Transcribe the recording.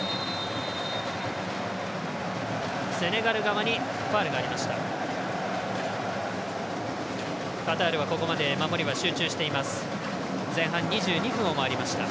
セネガル側にファウルがありました。